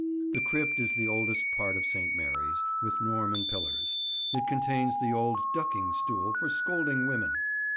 The crypt is the oldest part of St. Mary's, with Norman pillars. It contains the old ducking stool for scolding women.